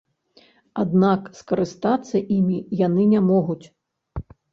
Аднак скарыстацца імі яны не могуць.